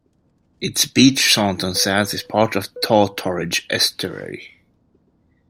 Its beach Saunton Sands is part of the Taw-Torridge Estuary.